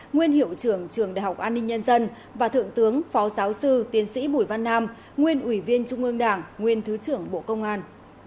nguyên hiệu trưởng trường đại học an ninh nhân dân và thượng tướng phó giáo sư tiến sĩ bùi văn nam nguyên ủy viên trung ương đảng nguyên thứ trưởng bộ công an